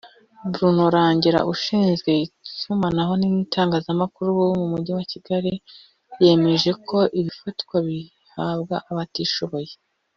Bruno Rangira ushinzwe itumanaho n’itangazamakuru mu Mujyi wa Kigali yemeje ko ibifatwa bihabwa abatishoboye